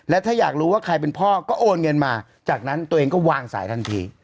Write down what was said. และถ้าอยากรู้ว่าใครเป็นพ่อก็โอนเงินมาจากนั้นตัวเองก็วางสายทันที